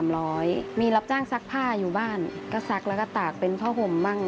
มีรับจ้างซักผ้าอยู่บ้านก็ซักแล้วก็ตากเป็นผ้าห่มบ้าง